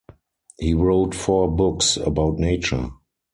He wrote four books about nature.